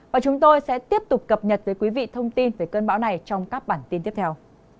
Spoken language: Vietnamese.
và chúng tôi sẽ tiếp tục cập nhật tới quý vị thông tin về cơn bão này trong các bản tin tiếp theo